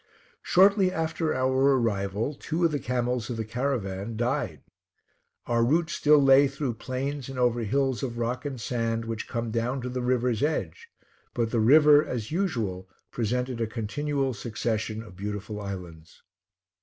Shortly after our arrival two of the camels of the caravan died. Our route still lay through plains and over hills of rock and sand, which come down to the river's edge, but the river, as usual, presented a continual succession of beautiful islands.